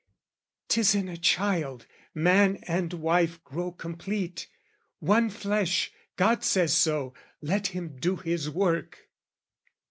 "'Tis in a child, man and wife grow complete, "One flesh: God says so: let him do his work!"